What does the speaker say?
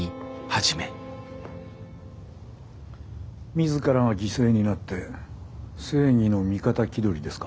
自らが犠牲になって正義の味方気取りですか？